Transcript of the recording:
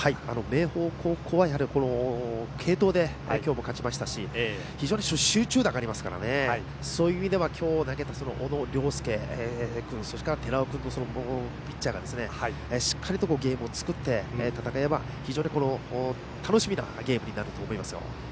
明豊高校は継投で今日も勝ちましたし非常に集中打がありますからそういう意味では今日投げた小野涼介君それから寺尾君ピッチャーがしっかりゲームを作って非常に楽しみなゲームになると思いますよ。